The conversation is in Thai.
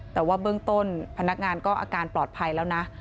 แต่ว่าเบื้องต้นพนักงานก็อาการปลอดภัยแล้วนะ